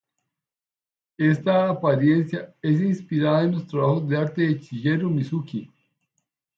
Esta apariencia es inspirada en los trabajos de arte de Shigeru Mizuki.